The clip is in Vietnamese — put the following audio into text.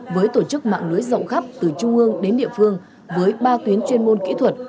với tổ chức mạng lưới rộng khắp từ trung ương đến địa phương với ba tuyến chuyên môn kỹ thuật